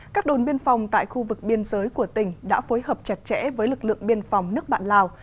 các đồn biên phòng tại khu vực biên giới của tỉnh đã phối hợp chặt chẽ với lực lượng biên phòng nước bạn lào